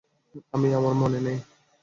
আমি - আমার মনে নেই।